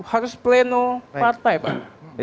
harus pleno partai pak